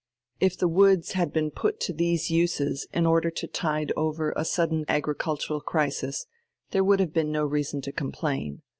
If the woods had been put to these uses in order to tide over a sudden agricultural crisis, there would have been no reason to complain.